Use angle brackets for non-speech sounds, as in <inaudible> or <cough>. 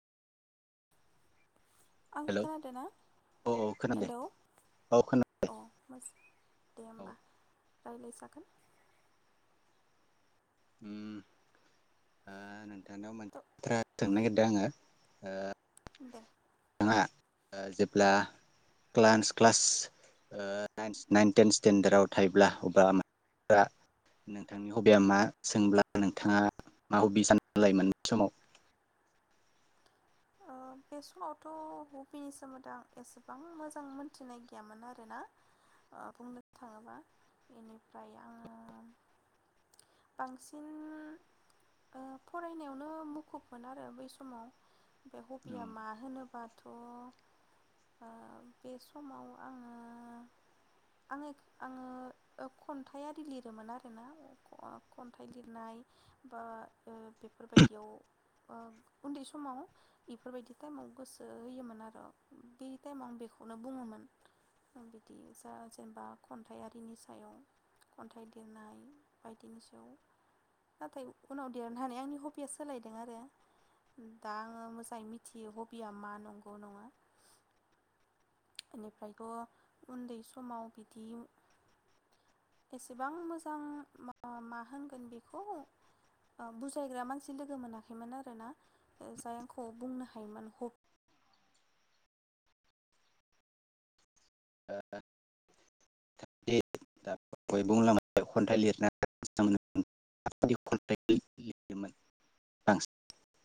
आंखौ हेलौ खोनादों ना औ औ खोनादों हेलौ औ खोनादों औ। <inaudible> दे औ होमबा। <inaudible> रायज्लाय जागोन। <inaudible> उम ओ <inaudible> थ' सोंनो नागिरदों आङो ओ दे <inaudible> जेब्ला <inaudible> क्लास नाइन टेन स्टेेनडार्डाव थायोब्ला <inaudible> अब्ला नोंथांनि हबिया मा सोंब्ला नोंथाङा मा हबि सानो। लाइमोन समाव? बे समावथ हबिनि सोमोन्दै आं एसेबां मोजां मोनथिनाय गैयामोन आरोना बुंनो थाङोबा बेनिफ्राय आङो बांसिन फरायनायावनो मुखुबमोन आरो बै समाव। हबिया मा होनोबा थ बे समाव आङो आङो आङो खन्थाइ आरि लिरोमोन आरोना खन्थाइ लिरनाय बा बेफोरबायदियाव उन्दै समाव। बेफोरबायदि टाइमाव गोसो होयोमोन आरो बे टाइमाव आं बेखौनो बुङोमोन बिदि जा जेनेबा खन्थाइ आरिनि सायाव खन्थाइ लिरनाय बायदिनि सायाव नाथाय उनाव देरनो हानाय आंनि हबिया सोलायदों आरो दा आं मोजाङै मिथियो हबिया मा नंगौ नङा। बेनिफ्रायथ उन्दै समाव बिदि एसेबां मोजां मा मा होनगोन बेखौ बुजायग्रा मानसि लोगो मोनाखैमोन आरोना जाय आंखौ बुंनो हायोमोन ह ओ ओ। <inaudible> <unintelligible>